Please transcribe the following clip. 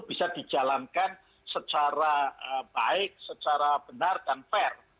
bisa dijalankan secara baik secara benar dan fair